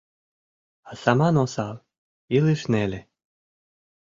А саман осал, илыш неле.